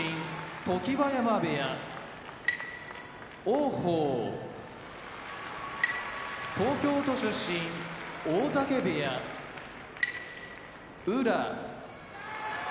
常盤山部屋王鵬東京都出身大嶽部屋宇良